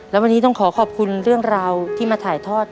และวันนี้ต้องขอขอบคุณเรื่องราวที่มาถ่ายทอด